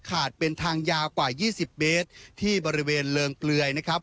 ขาดเป็นทางยาวกว่ายี่สิบเบสที่บริเวณเริงเกลือยนะครับ